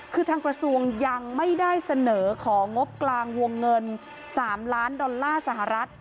คือทางกระทรวงยังไม่ได้เสนอของงบกลางวงเงิน๓ล้านดอลลาร์สหรัฐ